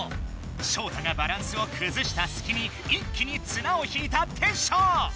ショウタがバランスをくずしたすきに一気に綱を引いたテッショウ！